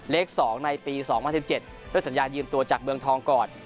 เลข๒ในปี๒๐๑๗ด้วยสัญญายืมตัวจากเมืองทองก่อน